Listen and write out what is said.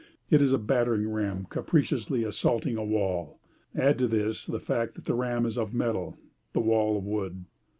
It is a battering ram capriciously assaulting a wall. Add to this, the fact that the ram is of metal, the wall of wood.